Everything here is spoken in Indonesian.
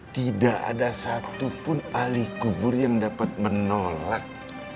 tidak ada satupun ahli kubur yang dapat menolak